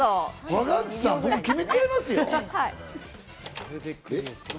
ハガンツさん、僕、決めちゃいますよ。